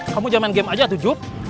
kamu jangan main game aja atu jub